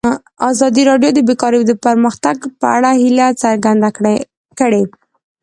ازادي راډیو د بیکاري د پرمختګ په اړه هیله څرګنده کړې.